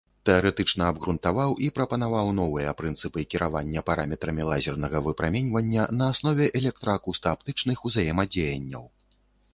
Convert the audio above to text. Тэарэтычна абгрунтаваў і прапанаваў новыя прынцыпы кіравання параметрамі лазернага выпраменьвання на аснове электра-акустааптычных узаемадзеянняў.